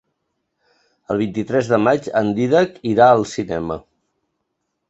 El vint-i-tres de maig en Dídac irà al cinema.